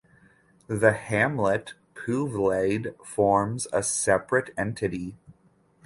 The hamlet Puivelde forms a separate entity.